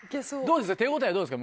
手応えどうですか？